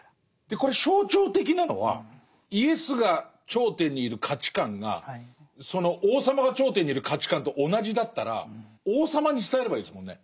これ象徴的なのはイエスが頂点にいる価値観がその王様が頂点にいる価値観と同じだったら王様に伝えればいいですもんね。